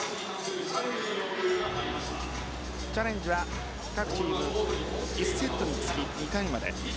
チャレンジは各チーム１セットにつき２回まで。